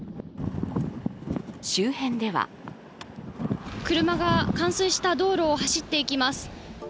周辺では車が冠水した道路を走っていきます。